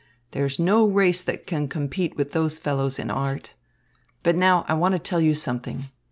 There's no race that can compete with those fellows in art. But now I want to tell you something."